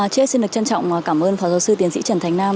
chị ấy xin được trân trọng cảm ơn phó giáo sư tiến sĩ trần thành nam